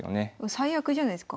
最悪じゃないすか。